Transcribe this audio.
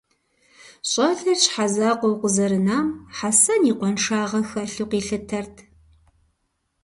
Щӏалэр щхьэзакъуэу къызэрынам Хьэсэн и къуэншагъэ хэлъу къилъытэрт.